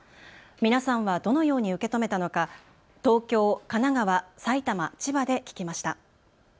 皆さんはどのように受け止めたのか、東京、神奈川、埼玉、千葉で聞きました。